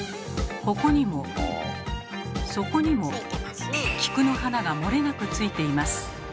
ここにもそこにも菊の花が漏れなくついています。